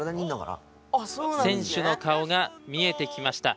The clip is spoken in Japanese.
選手の顔が見えてきました。